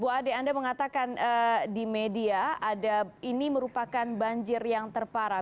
bu ade anda mengatakan di media ini merupakan banjir yang terparah